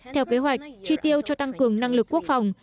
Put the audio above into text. theo kế hoạch chi tiêu cho tăng cường năng lực quốc phòng